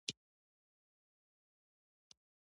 ګلستان غرونه څومره لوړ دي؟